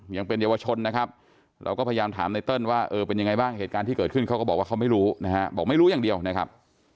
ยังเป็นเยาวชนนะครับเราก็พยายามถามไนเติ้ลว่าเออเป็นยังไงบ้างเหตุการณ์ที่เกิดขึ้นเขาก็บอกว่าเขาไม่รู้นะฮะบอกไม่รู้อย่างเดียวนะครับ